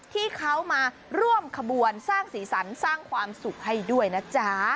ที่เขามาร่วมขบวนสร้างสีสันสร้างความสุขให้ด้วยนะจ๊ะ